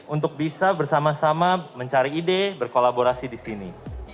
untuk bisa bersama sama mencari ide berkolaborasi di sini